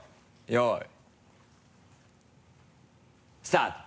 よい。スタート！